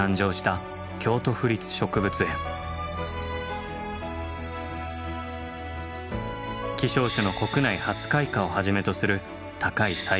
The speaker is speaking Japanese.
希少種の国内初開花をはじめとする高い栽培技術。